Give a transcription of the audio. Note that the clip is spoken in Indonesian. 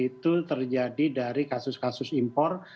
itu terjadi dari kasus kasus impor